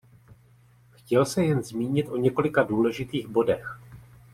Chtěl se jen zmínit o několika důležitých bodech.